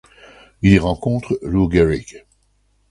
Il y rencontre Lou Gehrig.